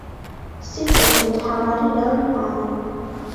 სიკეთე მთავარი რამ არი